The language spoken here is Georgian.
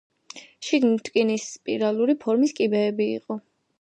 შიგნით რკინის სპირალური ფორმის კიბეები იყო.